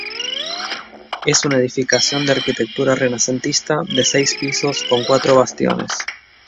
Es una edificación de arquitectura renacentista de seis pisos con cuatro bastiones.